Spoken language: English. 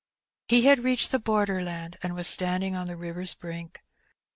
221 He had reached the border land^ and was standing on the river^s brink.